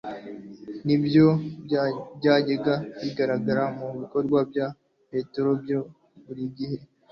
ni byo byajyaga bigaragara mu bikorwa bya Petero bya buri gihe.